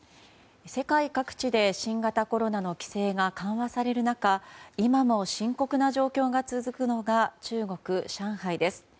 世界各地で新型コロナの規制が緩和される中今も深刻な状況が続くのが中国・上海です。